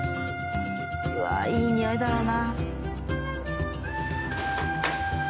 うわあいいにおいだろうな。